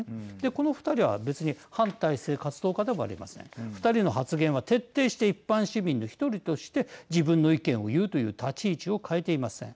この２人は別に反体制活動家でもありません。２人の発言は、徹底して一般市民の１人として自分の意見を言うという立ち位置を変えていません。